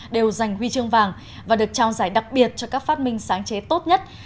đều giành huy chương vàng và được trao giải đặc biệt cho các phát minh sáng chế tốt nhất